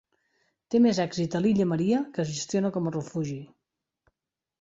Té més èxit a l'illa Maria, que es gestiona com a refugi.